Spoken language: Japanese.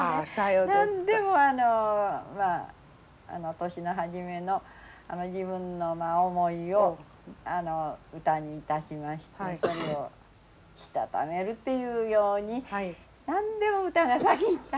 何でも年の初めの自分の思いを歌にいたしましてそれをしたためるっていうように何でも歌が先に来ますの。